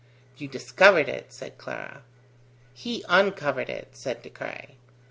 "You discovered it!" said Clara. "He uncovered it," said De Craye.